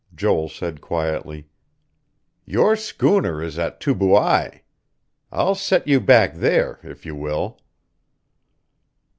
Joel said quietly: "Your schooner is at Tubuai. I'll set you back there, if you will."